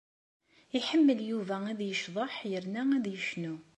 Iḥemmel Yuba ad yecḍeḥ yerna ad yecnu.